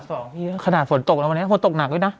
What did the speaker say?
พี่คณะฝนตกแล้วมานี่ฝนตกหนักดูนะ